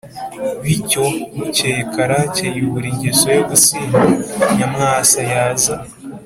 bityo. Bukeye Karake yubura ingeso yo gusinda. Nyamwasa yaza